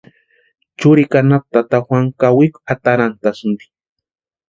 Churikwa anapu tata Juanu kawikwa atarantʼasïnti.